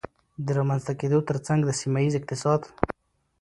د رامنځته کېدو ترڅنګ د سيمهييز اقتصاد